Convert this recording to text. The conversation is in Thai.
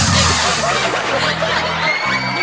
เมื่อกี้